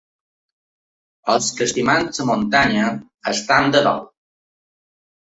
Els que estimem la muntanya estem de dol.